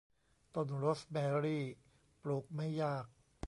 ต้นโรสแมรี่ปลูกไม่ยาก